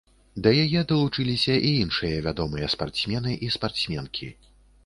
Да яе далучыліся і іншыя вядомыя спартсмены і спартсменкі.